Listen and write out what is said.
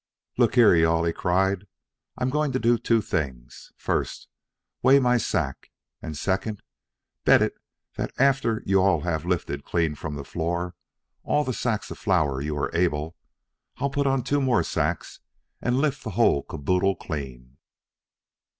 "Look here, you all" he cried. "I'm going to do two things: first, weigh my sack; and second, bet it that after you all have lifted clean from the floor all the sacks of flour you all are able, I'll put on two more sacks and lift the whole caboodle clean."